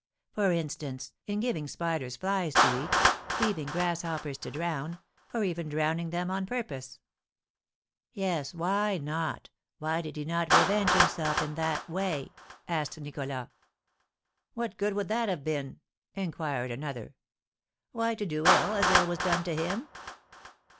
For instance, in giving spiders flies to eat, leaving grasshoppers to drown, or even drowning them on purpose?" "Yes, why not? Why did he not revenge himself in that way?" asked Nicholas. "What good would that have been?" inquired another. "Why, to do ill, as ill was done to him."